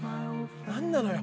何なのよ？